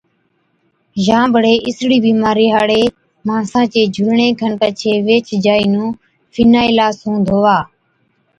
يان بڙي اِسڙِي بِيمارِي هاڙي ماڻسا چي جھُولڻي کن پڇي ويهچ جائِي نُون فِنائِيلا سُون ڌُووا